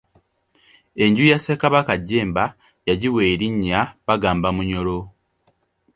Enju ya Ssekabaka Jjemba yagiwa elinnya Bagambamunyoro.